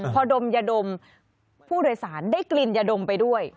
พอดมยาดมผู้โดยสารได้กลิ่นยาดมไปด้วย